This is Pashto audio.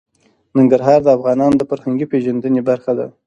ننګرهار د افغانانو د فرهنګي پیژندنې برخه ده.